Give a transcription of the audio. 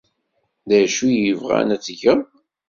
D acu i bɣan ad t-tgeḍ?